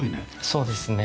そうですね。